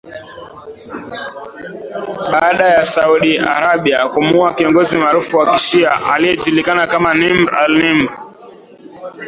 Baada ya Saudi Arabia kumuua kiongozi maarufu wa kishia, aliyejulikana kama Nimr al-Nimr